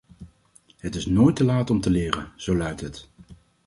Het is nooit te laat om te leren, zo luidt het.